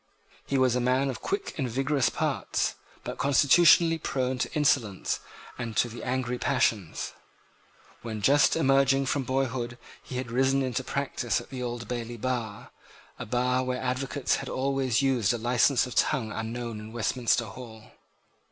He was a man of quick and vigorous parts, but constitutionally prone to insolence and to the angry passions. When just emerging from boyhood he had risen into practice at the Old Bailey bar, a bar where advocates have always used a license of tongue unknown in Westminster Hall.